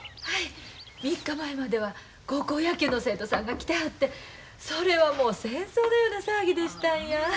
はい３日前までは高校野球の生徒さんが来てはってそれはもう戦争のような騒ぎでしたんや。